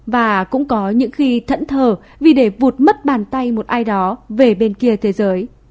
và cũng có những khi thẫn thờ vì để vụt mất bàn tay một ai đó về bên kia thế giới